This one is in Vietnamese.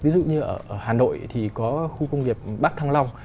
ví dụ như ở hà nội thì có khu công nghiệp bắc thăng long